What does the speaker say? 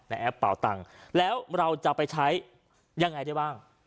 แอปเป่าตังค์แล้วเราจะไปใช้ยังไงได้บ้าง